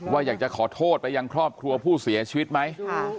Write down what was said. อยากจะขอโทษไปยังครอบครัวผู้เสียชีวิตไหม